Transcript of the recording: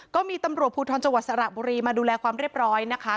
ก็มีตำรวจภูทรจังหวัดสระบุรีมาดูแลความเรียบร้อยนะคะ